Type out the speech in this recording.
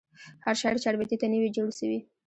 هر شاعر چاربیتې ته نه وي جوړسوی.